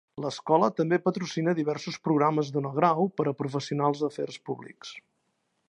L'escola també patrocina diversos programes de no-grau per a professionals d'afers públics.